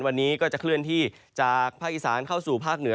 วันนี้ก็จะเคลื่อนที่จากภาคอีสานเข้าสู่ภาคเหนือ